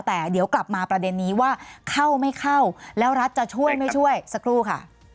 แต่เดี๋ยวกลับมาประเด็นนี้ว่าเข้าไม่เข้าแล้วรัฐจะช่วยไม่ช่วยสักครู่ค่ะ